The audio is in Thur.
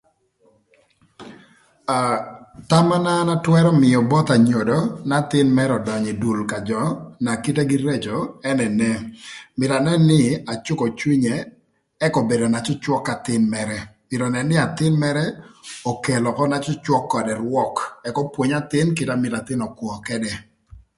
AA thama na an atwërö mïö both anyodo n'athïn mërë ödönyö ï dul ka jö na kitegï reco enene, mïtö anën nï acükö cwinye ëk obedo na cwöcwök k'athïn mërë, mïtö önën nï athïn mërë okelo ökö na cwöcwök ködë rwök ëk opwony athïn kite amyero athïn ökwö këdë